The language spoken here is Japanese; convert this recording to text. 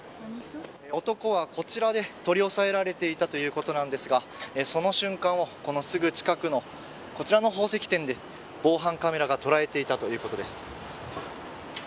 男はこちらで取り押さえられていたということですがその瞬間を、このすぐ近くのこちらの宝石店で防犯カメラが捉えていたということです。